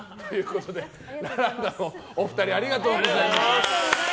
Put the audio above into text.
ラランドのお二人ありがとうございます。